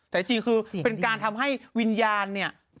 แต่จริงคือเป็นการทำให้วิญญาณเนี่ย